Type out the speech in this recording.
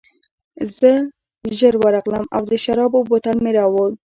زه ژر ورغلم او د شرابو بوتل مې راوړ